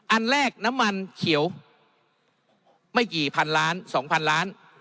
อันแรกน้ำมันเขียวไม่กี่พันล้านสองพันล้าน